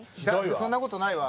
そんなことないわ。